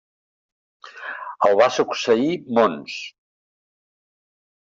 El va succeir Mons.